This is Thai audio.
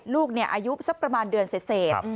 ลูกอายุสักประมาณเดือนเศษ